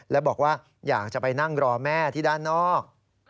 แล้วบอกว่าอยากจะไปนั่งรอแม่ที่ด้านนอก